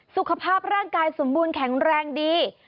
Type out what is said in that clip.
สุขภาพร่างกายสมบูรณ์แข็งแรงดี